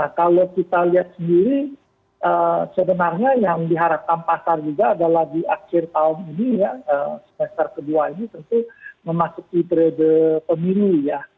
nah kalau kita lihat sendiri sebenarnya yang diharapkan pasar juga adalah di akhir tahun ini ya semester kedua ini tentu memasuki periode pemilu ya